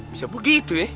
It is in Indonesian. bisa begitu ya